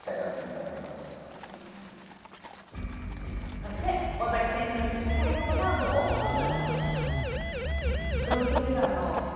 そして、尾崎選手に聞きたいことがもう一つ。